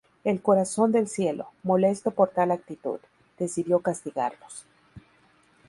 El Corazón del Cielo, molesto por tal actitud, decidió castigarlos.